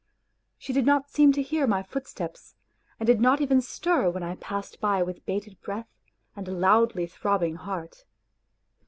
She did not seem to hear my footsteps, and did not even stir when I passed by with bated breath and loudly throbbing heart.